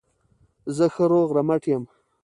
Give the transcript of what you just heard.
زه ښه روغ رمټ یم.